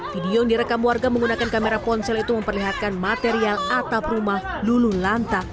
video yang direkam warga menggunakan kamera ponsel itu memperlihatkan material atap rumah lulu lantak